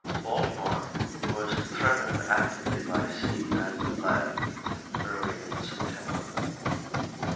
Baltimore was threatened actively by sea and land early in September.